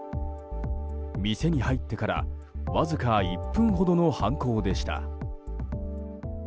店に入ってからわずか１分ほどの犯行でした。